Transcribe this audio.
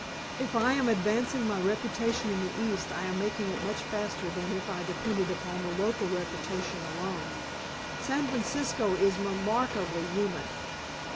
If I am advancing my reputation in the East I am making it much faster than if I depended upon the local reputation alone. San Francisco is remarkably human."